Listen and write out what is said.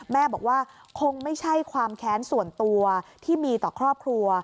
แม่บอกว่าคงไม่ใช่ความแค้นส่วนตัวที่มีต่อครอบครัว